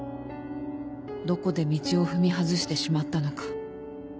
どこで道を踏み外してしまったのか